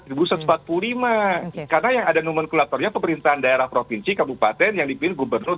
karena yang ada nomenklaturnya pemerintahan daerah provinsi kabupaten yang dipilih gubernur